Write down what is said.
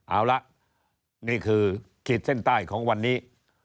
เอาละนี่คือขีดเส้นใต้ของวันนี้